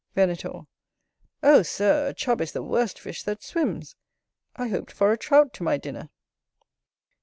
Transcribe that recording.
Venator. Oh, Sir! a Chub is the worst fish that swims; I hoped for a Trout to my dinner.